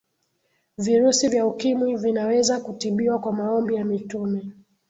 virusi vya ukimwi vinaweza kutibiwa kwa maombi ya mitume